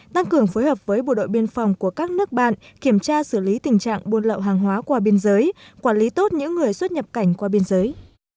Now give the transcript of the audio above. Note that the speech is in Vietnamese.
tăng cường phối hợp với bộ đội biên phòng của các nước bạn kiểm tra xử lý tình trạng buôn lậu hàng hóa qua biên giới quản lý tốt những người xuất nhập cảnh qua biên giới